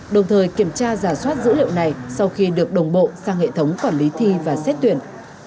đồng thời kiểm tra giả soát dữ liệu này sau khi được đồng bộ sang hệ thống quản lý thi và xét tuyển